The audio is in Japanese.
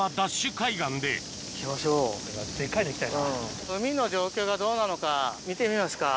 海岸で海の状況がどうなのか見てみますか。